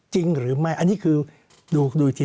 จริงหรือไม่อันนี้คือดูอีกที